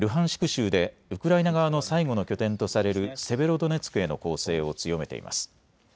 州でウクライナ側の最後の拠点とされるセベロドネツクへの攻勢を強めています。